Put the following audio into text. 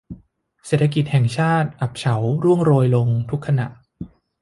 เศรษฐกิจแห่งชาติอับเฉาร่วงโรยลงทุกขณะ